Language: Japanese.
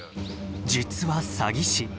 実は詐欺師。